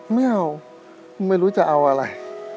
ไม่เอาไม่รู้จะเอาอะไร